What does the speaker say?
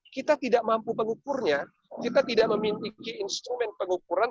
kita tidak mampu mengukurnya kita tidak memiliki instrumen pengukuran